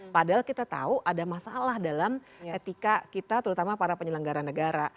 padahal kita tahu ada masalah dalam etika kita terutama para penyelenggara negara